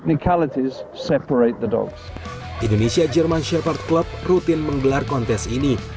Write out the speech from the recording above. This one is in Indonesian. indonesia german shepherd club rutin menggelar kontes ini